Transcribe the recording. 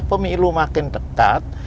pemilu makin dekat